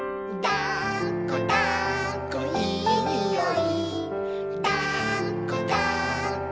「だっこだっこいいにおい」